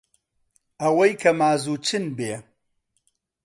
ئەوەی کە مازوو چن بێ